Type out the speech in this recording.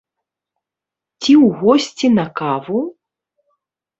Ці ў госці на каву?